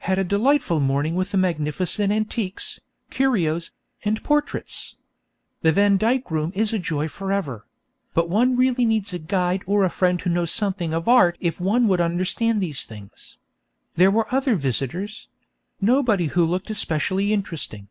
Had a delightful morning with the magnificent antiques, curios, and portraits. The Van Dyck room is a joy for ever; but one really needs a guide or a friend who knows something of art if one would understand these things. There were other visitors; nobody who looked especially interesting.